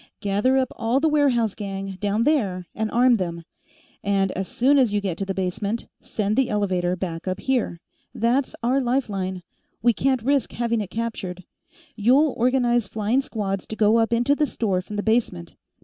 Gather up all the warehouse gang, down there, and arm them. And as soon as you get to the basement, send the elevator back up here. That's our life line; we can't risk having it captured. You'll organize flying squads to go up into the store from the basement.